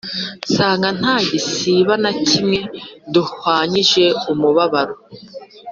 nsanga nta gisimba na kimwe duhwanyije umubabaro,